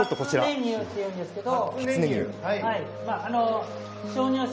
初音乳っていうんですけど。